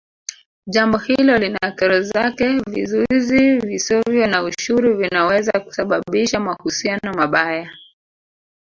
Jambo hilo lina kero zake vizuizi visovyo na ushuru vinaweza kusababisha mahusiano mabaya